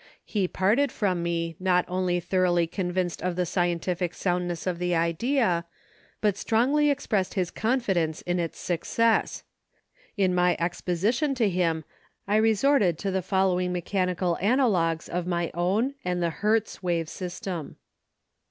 He parted from me not only thoroly convinced of the scientific soundness of the idea but strongly exprest his confidence in its success. In my exposition to him I re sorted to the following mechanical ana logues of my own and the Hertz wave system.